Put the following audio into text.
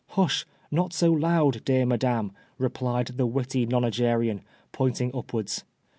* Hush, not so loud, dear Madame !* replied the witty nonagenarian, pouiting up wards.